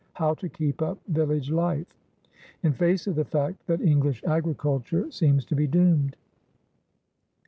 How to keep up village life?in face of the fact that English agriculture seems to be doomed.